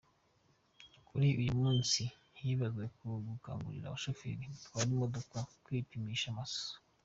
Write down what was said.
Kuri uyu munsi, hibanzwe ku gukangurira abashoferi batwara imodoka kwipimisha amaso.